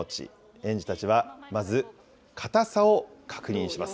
園児たちは、まず硬さを確認します。